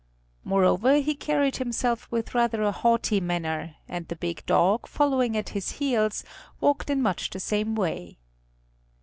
Moreover he carried himself with rather a haughty manner, and the big dog, following at his heels, walked in much the same way.